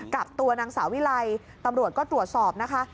กับตัวนางสาววิไลตำรวจก็ตรวจสอบนะคะ